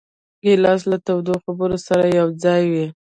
ګیلاس له تودو خبرو سره یوځای وي.